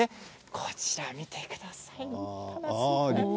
こちらを見てください。